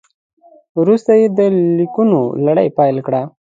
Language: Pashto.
وروسته یې د لیکونو لړۍ پیل کړه.